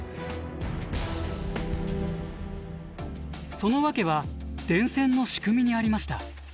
その訳は電線の仕組みにありました。